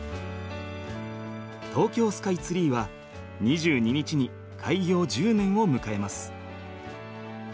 東京スカイツリーは２２日に開業１０年を迎えます。